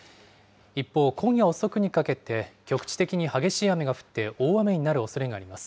一方、今夜遅くにかけて、局地的に激しい雨が降って大雨になるおそれがあります。